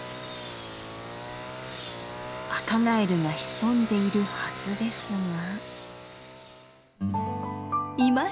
アカガエルが潜んでいるはずですがいました！